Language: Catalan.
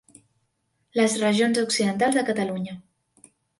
Les regions occidentals de Catalunya.